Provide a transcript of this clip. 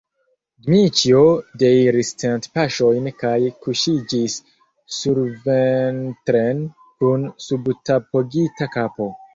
Dmiĉjo deiris cent paŝojn kaj kuŝiĝis surventren kun kubutapogita kapo.